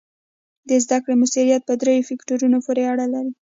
د زده کړې مؤثریت په دریو فکتورونو پورې اړه لري.